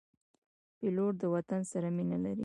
پیلوټ د وطن سره مینه لري.